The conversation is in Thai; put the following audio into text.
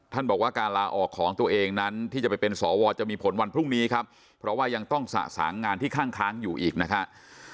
ท่านบอกว่าการลาออกของตัวเองนั้นที่จะไปเป็นสวจะมีผลวันพรุ่งนี้ครับเพราะว่ายังต้องสะสางงานที่ข้างอยู่อีกนะครับ